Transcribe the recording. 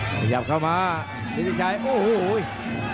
พยายามเข้ามาพี่ชิคกี้พายโอ้โฮโอ้โฮ